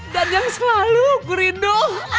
dan yang selalu ku rindu